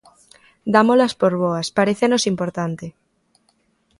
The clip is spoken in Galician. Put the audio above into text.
Dámolas por boas, parécenos importante.